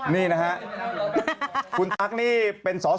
นี่นะครับคุณตั๊กนี่เป็นสอนะฮะ